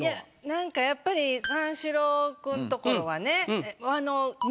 なんかやっぱり三四郎くんところはね。